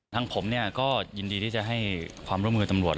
ทางผมก็ยินดีที่จะให้ความร่วมมือตำรวจ